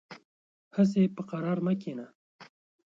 هسې په قرار مه کېنه .